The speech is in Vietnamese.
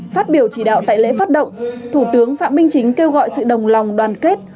phát biểu chỉ đạo tại lễ phát động thủ tướng phạm minh chính kêu gọi sự đồng lòng đoàn kết